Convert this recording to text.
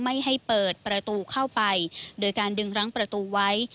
ไม่ให้เปิดประตูเข้าไปโดยการดึงรั้งประตูไว้